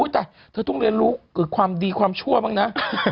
แต่เธอต้องเรียนรู้ความดีความชั่วบ้างนะ